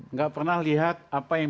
nggak pernah lihat apa yang